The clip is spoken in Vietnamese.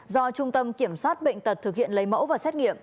do trung tâm kiểm soát bệnh tật thực hiện lấy mẫu và xét nghiệm